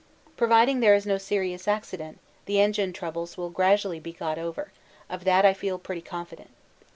Providing there is no serious accident, the engine troubles will gradually be got over; of that I feel pretty confident.